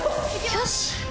よし。